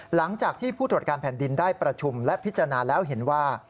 หลังจากที่ผู้ตรวจการแผ่นดินได้ประชุมและพิจารณาแล้วเห็นว่า